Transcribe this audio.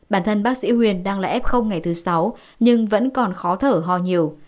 bản thân bác sĩ huyền đang là ép không ngày thứ sáu nhưng vẫn còn khó thở ho nhiều